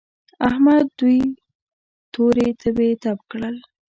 احمد دوی تورې تبې تپ کړل.